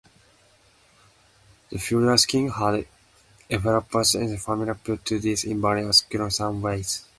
The furious king had Ehelepola's entire family put to death in various gruesome ways.